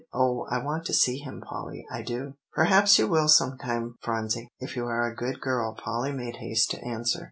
"Oh! I want to see him, Polly, I do." "Perhaps you will sometime, Phronsie, if you are a good girl," Polly made haste to answer.